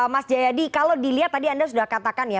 mas jayadi kalau dilihat tadi anda sudah katakan ya